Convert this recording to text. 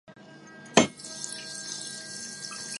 以泰语的恒星命名。